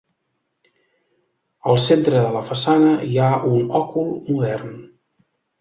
Al centre de la façana hi ha un òcul modern.